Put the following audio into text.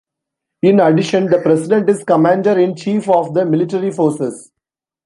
In addition, the President is Commander-in-Chief of the Military Forces.